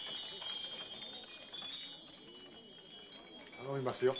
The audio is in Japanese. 頼みますよ。